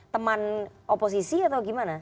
teman oposisi atau gimana